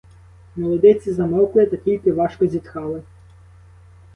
Молодиці замовкли та тільки важко зітхали.